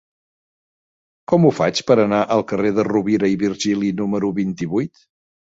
Com ho faig per anar al carrer de Rovira i Virgili número vint-i-vuit?